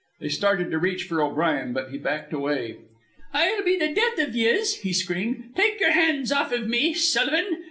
They started to reach for O'Brien, but he backed away. "I'll be the death iv yez!" he screamed. "Take yer hands off iv me, Sullivan!